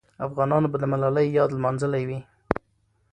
افغانانو به د ملالۍ یاد لمانځلی وي.